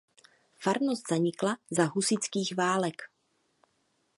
Farnost zanikla za husitských válek.